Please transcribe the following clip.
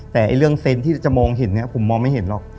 แต่เรื่องเซนต์ที่จะมองเห็นเนี่ยผมมองไม่เห็นหรอก